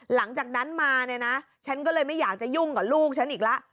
หลังจากนั้นมาเนี่ยนะฉันก็เลยไม่อยากจะยุ่งกับลูกฉันอีกแล้ว